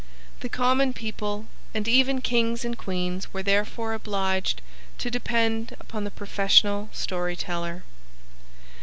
The common people, and even kings and queens, were therefore obliged to depend upon the professional story teller.